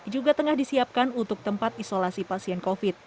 juga tengah disiapkan untuk tempat isolasi pasien covid